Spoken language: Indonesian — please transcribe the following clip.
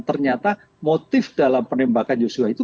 ternyata motif dalam penembakan yosua itu